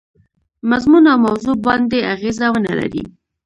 مضمون او موضوع باندي اغېزه ونه لري.